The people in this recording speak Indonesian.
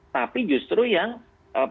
tapi justru yang masyarakatnya